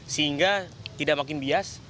sehingga tidak makin bias